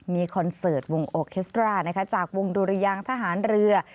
มีคอนเสิร์ตวงโอเคสตราจากวงดุรยางทหารเรือ